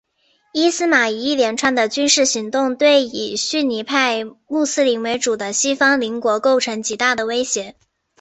伊斯玛仪一连串的军事行动对以逊尼派穆斯林为主的西方邻国构成极大的威胁。